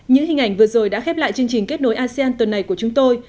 những hình ảnh vừa rồi đã khép lại chương trình kết nối asean tuần này của chúng tôi